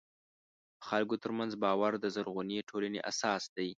د خلکو ترمنځ باور د زرغونې ټولنې اساس دی.